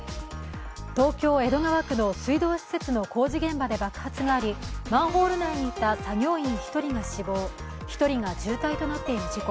東京・江戸川区の水道施設の工事現場で爆発がありマンホール内にいた作業員１人が死亡１人が重体となっている事故。